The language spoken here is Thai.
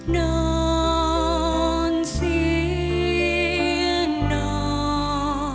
นอนเสียงนอ